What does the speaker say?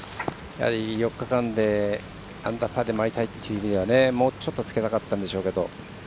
４日間で、アンダーパーで回りたいという意味ではもうちょっとつけたかったんでしょうけど。